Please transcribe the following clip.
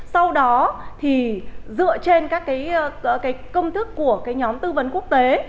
sau đó thì dựa trên các công thức của nhóm tư vấn quốc tế